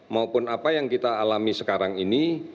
maupun apa yang kita alami sekarang ini